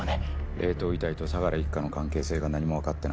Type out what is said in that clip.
冷凍遺体と相良一家の関係性が何も分かってない。